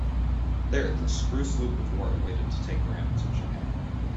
There, the screw sloop of war awaited to take Grant to Japan.